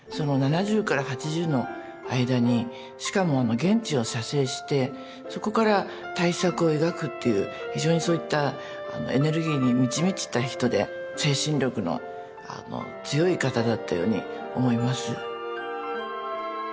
７０から８０の間にしかも現地を写生してそこから大作を描くっていう非常にそういったエネルギーに満ち満ちた人で精神力の強い方だったように思います。